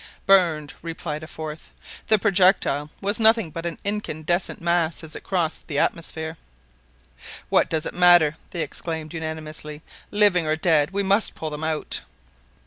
"Burned!" replied a fourth; "the projectile was nothing but an incandescent mass as it crossed the atmosphere." "What does it matter!" they exclaimed unanimously; "living or dead, we must pull them out!"